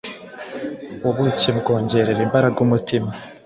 ubuki bwongerera imbaraga umutima